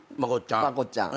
まこっちゃん？